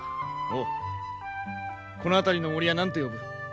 おうこの辺りの森は何と呼ぶ？